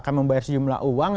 akan membayar sejumlah uang